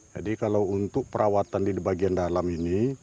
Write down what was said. jadi kalau untuk perawatan di bagian dalam ini